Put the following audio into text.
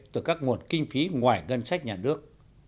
từ các nguồn kinh phí ngoài ngân sách nhà nước